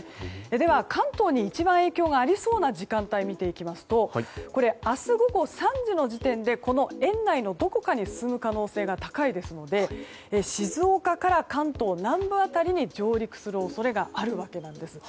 では、関東に一番影響がありそうな時間帯を見ていきますと明日午後３時の時点で円内のどこかに進む可能性が高いですので静岡から関東南部辺りに上陸する恐れがあるわけなんです。